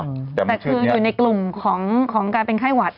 แต่คืออยู่ในกลุ่มของการเป็นไข้หวัด